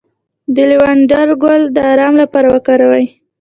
د لیوانډر ګل د ارام لپاره وکاروئ